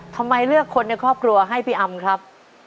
ทำไมเลือกคนในครอบครัวให้พี่อำครับ